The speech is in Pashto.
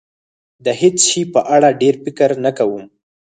د هېڅ شي په اړه ډېر فکر نه کوم.